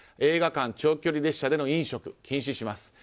映画館、長距離列車での飲食を禁止します。